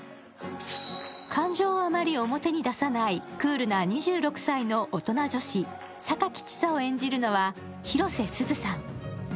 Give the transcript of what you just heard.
感情をあまり表に出さないクールな２６歳の大人女子、榊千紗を演じるのは広瀬すずさん。